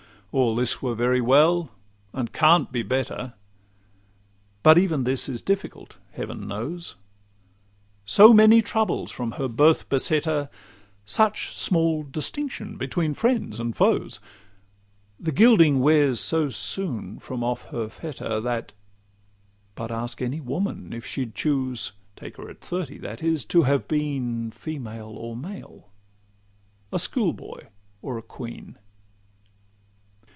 All this were very well, and can't be better; But even this is difficult, Heaven knows, So many troubles from her birth beset her, Such small distinction between friends and foes, The gilding wears so soon from off her fetter, That—but ask any woman if she'd choose (Take her at thirty, that is) to have been Female or male? a schoolboy or a queen?